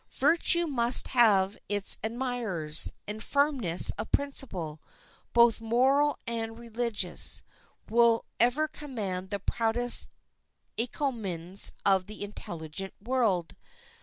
Virtue must have its admirers, and firmness of principle, both moral and religious, will ever command the proudest encomiums of the intelligent world.